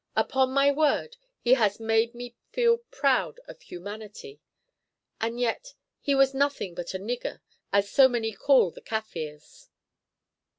Upon my word he has made me feel proud of humanity. And yet he was nothing but a 'nigger,' as so many call the Kaffirs."